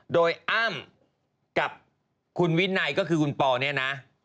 โดยอ้ำกับคุณวินัยก็คือคุณปอเนี่ยนะ